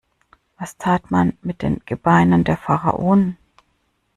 Was tat man mit den Gebeinen der Pharaonen?